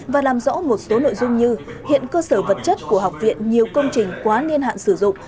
và làm rõ một số nội dung như hiện cơ sở vật chất của học viện nhiều công trình quá niên hạn sử dụng